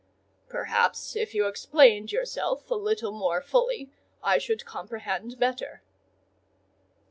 "Perhaps, if you explained yourself a little more fully, I should comprehend better."